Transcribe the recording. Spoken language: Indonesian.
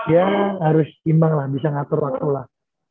ya harus imbang lah bisa ngatur waktu lah